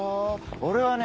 俺はね